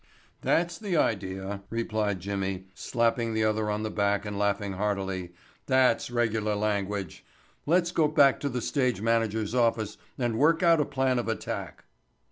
"That's the idea," replied Jimmy, slapping the other on the back and laughing heartily. "That's regular language. Let's go back to the stage manager's office and work out a plan of attack."